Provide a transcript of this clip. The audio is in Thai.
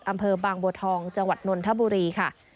อำเภอบางบัวทองจังหวัดนนทบุรีค่ะ